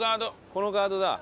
このガードだ。